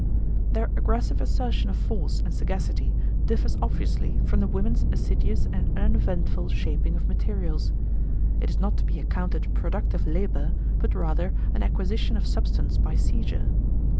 Their aggressive assertion of force and sagacity differs obviously from the women's assiduous and uneventful shaping of materials; it is not to be accounted productive labour but rather an acquisition of substance by seizure.